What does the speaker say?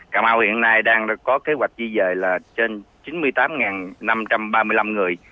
cà mau hiện nay đang có kế hoạch di dời là trên chín mươi tám năm trăm ba mươi năm người